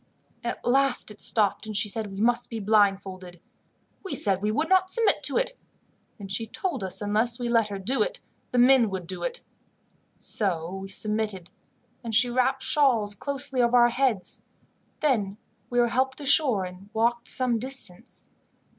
"At last it stopped, and she said we must be blindfolded. We said we would not submit to it, and she told us unless we let her do it, the men would do it. So we submitted, and she wrapped shawls closely over our heads. Then we were helped ashore, and walked some distance.